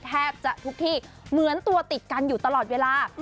แทบจะทุกที่เหมือนตัวติดกันอยู่ตลอดเวลา